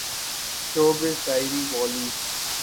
showbiz diary Bali